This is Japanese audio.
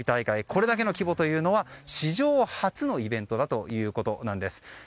これだけの規模は史上初のイベントだということなんです。